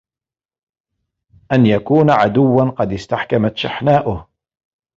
أَنْ يَكُونَ عَدُوًّا قَدْ اسْتَحْكَمَتْ شَحْنَاؤُهُ